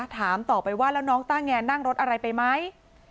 ถามต่อไปว่าแล้วน้องต้าแงนั่งรถอะไรไปไหม